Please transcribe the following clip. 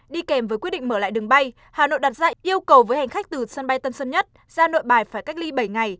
đi kèm với quyết định mở lại đường bay hà nội đặt ra yêu cầu với hành khách từ sân bay tân sơn nhất ra nội bài phải cách ly bảy ngày